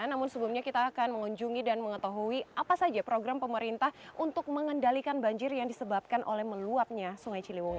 namun sebelumnya kita akan mengunjungi dan mengetahui apa saja program pemerintah untuk mengendalikan banjir yang disebabkan oleh meluapnya sungai ciliwung ini